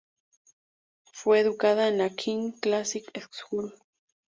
Fue educada en la King Classical School.